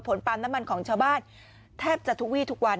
ปั๊มน้ำมันของชาวบ้านแทบจะทุกวีทุกวัน